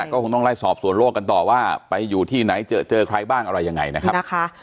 ก็คงต้องไล่สอบสวนโลกกันต่อว่าไปอยู่ที่ไหนเจอเจอใครบ้างอะไรยังไงนะครับ